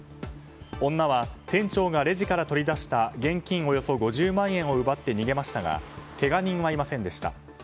女は、店長がレジから取り出した現金およそ５０万円を奪って逃げましたがけが人はいませんでした。